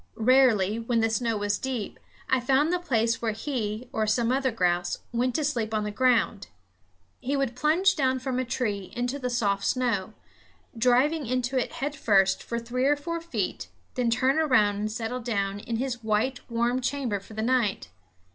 Rarely, when the snow was deep, I found the place where he, or some other grouse, went to sleep on the ground. He would plunge down from a tree into the soft snow, driving into it headfirst for three or four feet, then turn around and settle down in his white warm chamber for the night.